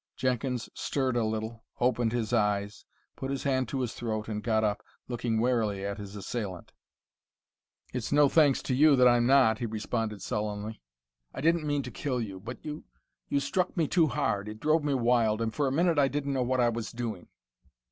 Jenkins stirred a little, opened his eyes, put his hand to his throat, and got up, looking warily at his assailant. "It's no thanks to you that I'm not," he responded sullenly. "I didn't mean to kill you but you you struck me too hard it drove me wild and for a minute I didn't know what I was doing."